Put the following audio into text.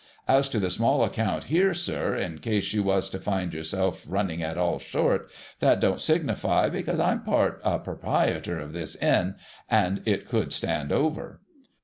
As to the small account here, sir, in case you was to find yourself running at all short, that don't signify ; because I'm a part proprietor of this inn, and it could stand over.'